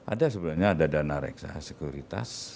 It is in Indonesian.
ada sebenarnya ada dana reksa sekuritas